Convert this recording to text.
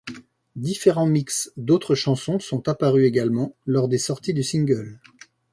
Différents mixes d'autres chansons sont apparus également lors des sorties du single.